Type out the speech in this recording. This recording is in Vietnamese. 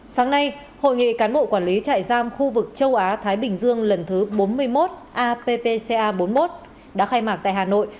sáng nay hội nghị cán bộ quản lý trại giam khu vực châu á thái bình dương lần thứ bốn mươi một appca bốn mươi một đã khai mạc tại hà nội